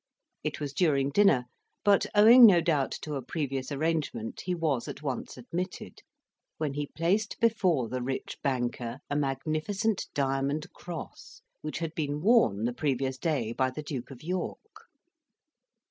It was during dinner; but, owing no doubt to a previous arrangement, he was at once admitted, when he placed before the rich banker a magnificent diamond cross, which had been worn the previous day by the Duke of York.